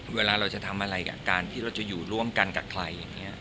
เวลาเราจะทำอะไรกับการที่เราจะอยู่ร่วมกันกับใครอย่างนี้